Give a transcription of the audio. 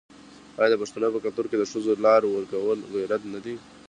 آیا د پښتنو په کلتور کې د ښځو لار ورکول غیرت نه دی؟